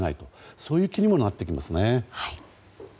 そういう気にもなってきますね。